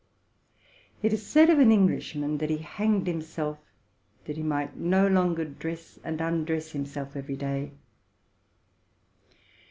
It is said of an Englishman, that he hanged "himself that he might no longer dress and undress himself every day.